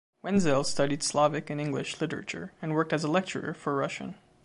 Wenzel studied Slavic and English literature and worked as a lecturer for Russian.